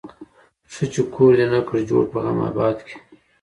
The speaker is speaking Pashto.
ښه چي کور دي نه کړ جوړ په غم آباد کي